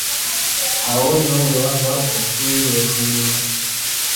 Awo nno weewava okwerooterera.